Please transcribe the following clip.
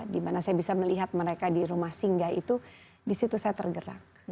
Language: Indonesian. di mana saya bisa melihat mereka di rumah singgah itu di situ saya tergerak